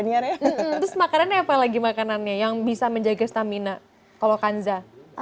terus makanannya apa lagi makanannya yang bisa menjaga stamina kalau kanza